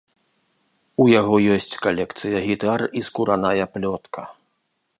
У яго ёсць калекцыя гітар і скураная плётка.